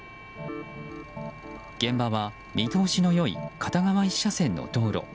現場は見通しの良い片側１車線の道路。